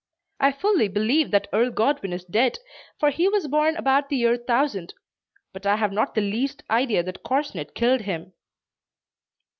I fully believe that Earl Godwin is dead, for he was born about the year 1000. But I have not the least idea that corsned killed him.